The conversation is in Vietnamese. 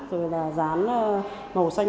rồi là dán màu xanh